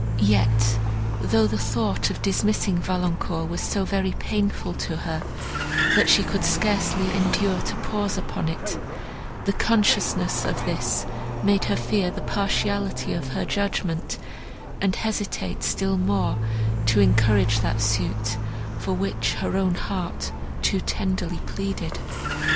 Yet, though the thought of dismissing Valancourt was so very painful to her, that she could scarcely endure to pause upon it, the consciousness of this made her fear the partiality of her judgment, and hesitate still more to encourage that suit, for which her own heart too tenderly pleaded.